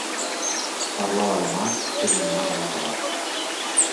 Parlar de la mar és un mai no acabar.